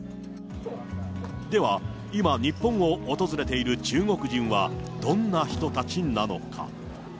では、今日本を訪れている中国人はどんな人たちなのか。